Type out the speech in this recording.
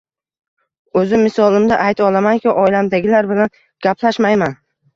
Oʻzim misolimda ayta olamanki, oilamdagilar bilan gaplashmayman